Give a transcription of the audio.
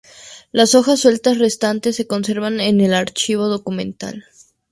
Las hojas sueltas restantes se conservan en el Archivo Documental.